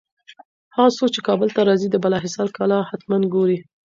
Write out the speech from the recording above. هغه څوک چي کابل ته راځي، د بالاحصار کلا حتماً ګوري.